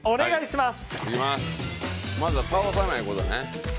まずは倒さないことね。